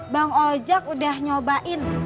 bang ojak udah nyobain